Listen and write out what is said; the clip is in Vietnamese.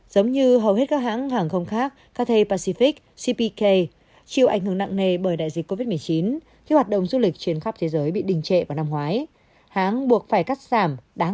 giống như hầu hết các hãng hàng không khác cathay pacific cpk chịu ảnh hưởng nặng nề bởi đại dịch covid một mươi chín